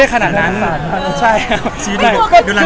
อากาศหนาแต่หน้ามัน